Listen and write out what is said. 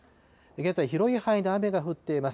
現在、広い範囲で雨が降っています。